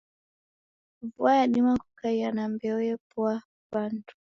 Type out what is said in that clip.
Vua yadima kukaia na mbeo yepoia wandu.